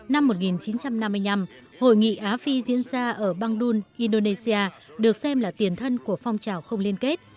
năm một nghìn chín trăm năm mươi năm hội nghị á phi diễn ra ở bang dun indonesia được xem là tiền thân của phong trào không liên kết